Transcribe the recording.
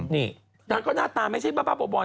นี่น่าก็หน้าตาไม่ใช่ป้าป้าปกบ่อน